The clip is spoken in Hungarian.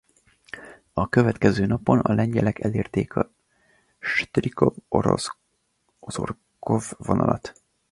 A következő napon a lengyelek elérték a Stryków–Ozorków vonalat.